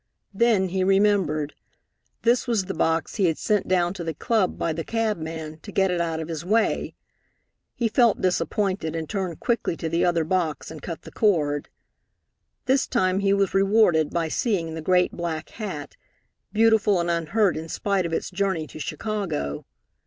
Then he remembered. This was the box he had sent down to the club by the cabman, to get it out of his way. He felt disappointed, and turned quickly to the other box and cut the cord. This time he was rewarded by seeing the great black hat, beautiful and unhurt in spite of its journey to Chicago.